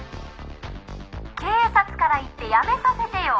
「警察から言ってやめさせてよ」